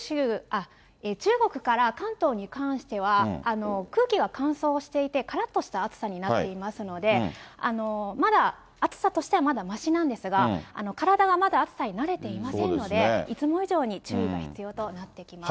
中国から関東に関しては、空気が乾燥していて、からっとした暑さになっていますので、まだ暑さとしてはまだましなんですが、体がまだ暑さに慣れていませんので、いつも以上に注意が必要となってきます。